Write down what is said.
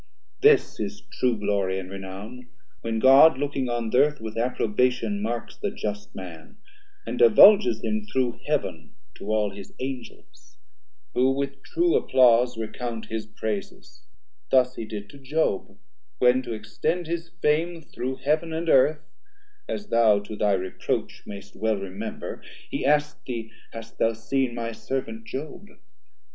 This is true glory and renown, when God 60 Looking on the Earth, with approbation marks The just man, and divulges him through Heaven To all his Angels, who with true applause Recount his praises; thus he did to Job, When to extend his fame through Heaven & Earth, As thou to thy reproach mayst well remember, He ask'd thee, hast thou seen my servant Job?